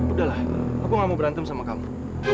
udahlah aku gak mau berantem sama kamu